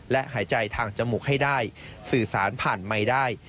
และหายใจทางจมูกให้ได้สื่อสารผ่านไมค์ได้